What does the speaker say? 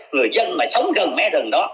người dân mà sống gần mấy rừng đó